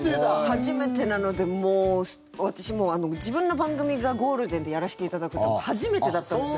初めてなのでもう私、自分の番組がゴールデンでやらせていただくって初めてだったんですよ。